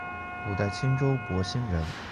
五代青州博兴人。